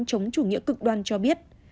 chống chủ nghĩa cực đoan cho biết